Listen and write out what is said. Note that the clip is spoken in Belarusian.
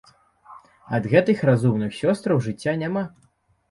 Ад гэтых разумных сёстраў жыцця няма.